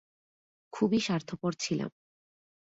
খুবই স্বার্থপর ছিলাম।